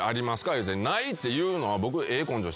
言うて「ない」って言うのは僕。